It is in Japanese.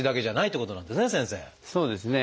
そうですね。